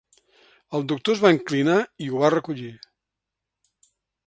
El doctor es va inclinar i ho va recollir.